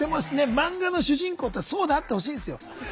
漫画の主人公ってそうであってほしいんですよ。